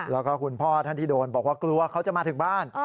แล้วก็คุณพ่อท่านที่โดนบอกว่ากลัวเขาจะมาถึงบ้าน